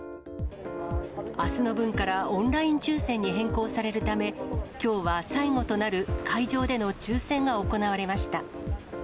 あすの分からオンライン抽せんに変更されるため、きょうは最後となる会場での抽せんが行われました。